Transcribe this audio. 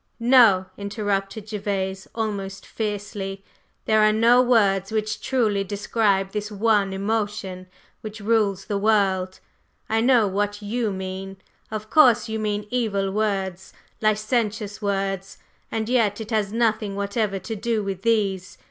"No!" interrupted Gervase, almost fiercely. "There are no words which truly describe this one emotion which rules the world. I know what you mean, of course; you mean evil words, licentious words, and yet it has nothing whatever to do with these.